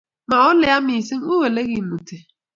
Ma ole yaa mising, uu olegimute.